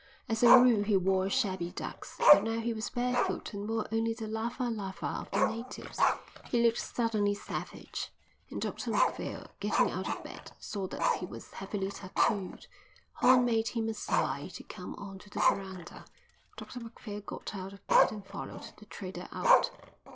As a rule he wore shabby ducks, but now he was barefoot and wore only the lava lava of the natives. He looked suddenly savage, and Dr Macphail, getting out of bed, saw that he was heavily tattooed. Horn made him a sign to come on to the verandah. Dr Macphail got out of bed and followed the trader out.